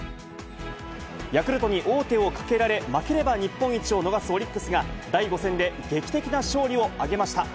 ヤクルトに王手をかけられ、負ければ日本一を逃すオリックスが、第５戦で劇的な勝利を挙げました。